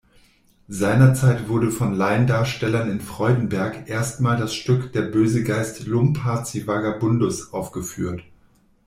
Seinerzeit wurde von Laiendarstellern in Freudenberg erstmals das Stück „Der böse Geist Lumpazivagabundus“ aufgeführt.